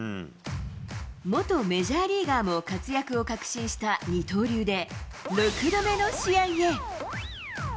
元メジャーリーガーも活躍を確信した二刀流で、６度目の試合へ。